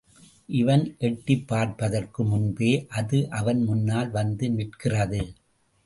இவன் எட்டிப் பார்ப்பதற்கு முன்பே அது அவன் முன்னால் வந்து நிற்கிறது.